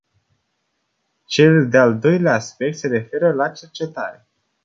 Cel de-al doilea aspect se referă la cercetare.